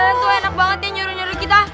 tuh enak banget ya nyuruh nyuruh kita